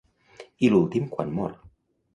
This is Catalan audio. I l'últim quan mor?